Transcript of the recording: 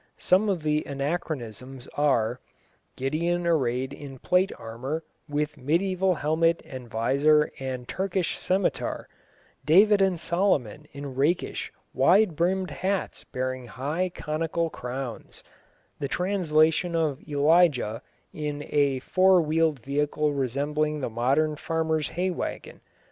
Some of the anachronisms are: Gideon arrayed in plate armour, with mediæval helmet and visor and Turkish scimitar; David and Solomon in rakish, wide brimmed hats bearing high, conical crowns; the translation of Elijah in a four wheeled vehicle resembling the modern farmer's hay wagon.